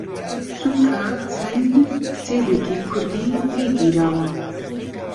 چونکە چەند کتێبێکی کوردی لێ گیراوە